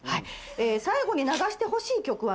「最後に流してほしい曲は」